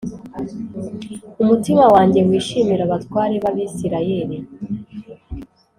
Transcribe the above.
Umutima wanjye wishimire abatware b Abisirayeli